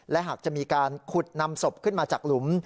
และหากจะมีการขุดนำศพขึ้นมาจากหลุม